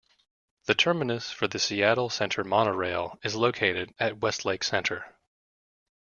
The terminus for the Seattle Center Monorail is located at Westlake Center.